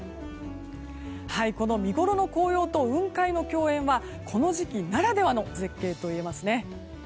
この見ごろの紅葉と雲海の共演はこの時期ならではの絶景といえますね。